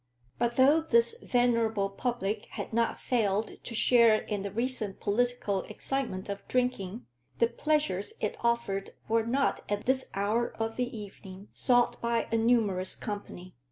But though this venerable "public" had not failed to share in the recent political excitement of drinking, the pleasures it offered were not at this hour of the evening sought by a numerous company.